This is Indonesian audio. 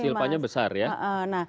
silvanya besar ya